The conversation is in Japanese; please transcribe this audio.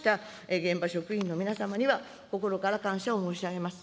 現場職員の皆様には、心から感謝を申し上げます。